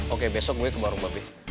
oke besok gue ke warung babi